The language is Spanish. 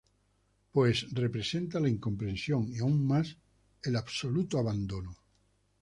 Pues representa la incomprensión, y aún más, el absoluto abandono.